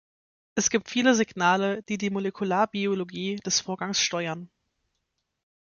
Es gibt viele Signale, die die Molekularbiologie des Vorgangs steuern.